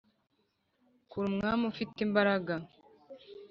kura umwami ufite imbaraga.